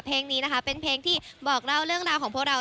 เพลงนี้นะคะเป็นเพลงที่บอกเล่าเรื่องราวของพวกเรา